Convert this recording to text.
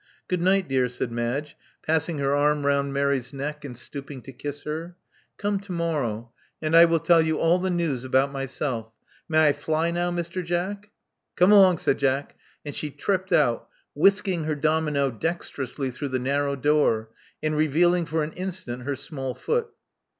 "Good night, dear," said Madge, passing her arm 252 Love Among the Artists rotind Mary's neck, and stooping to kiss her. •*Come to morrow ; and I will tell you all the news about myself. May I fly now, Mr. Jack?" Come along," said Jack; and she tripped out, whisking her domino dexterously through the narrow door, and revealing for an instant her small foot.